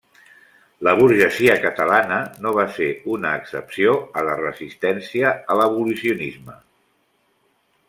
La burgesia catalana no va ser una excepció a la resistència a l'abolicionisme.